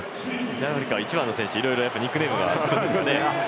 南アフリカは１番の選手にいろいろニックネームがつくんですね。